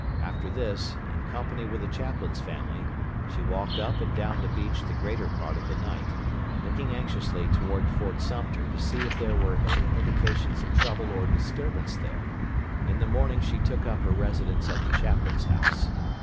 After this, in company with the chaplain's family, she walked up and down the beach the greater part of the night, looking anxiously toward Fort Sumter to see if there were any indications of trouble or disturbance there. In the morning she took up her residence at the chaplain's house.